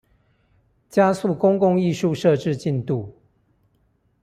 加速公共藝術設置進度